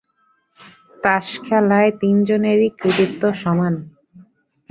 তাস খেলায় তিনজনেরই কৃতিত্ব সমান।